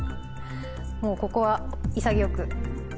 もうここは潔く。